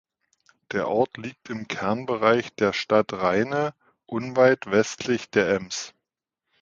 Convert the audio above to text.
Der Ort liegt im Kernbereich der Stadt Rheine unweit westlich der Ems.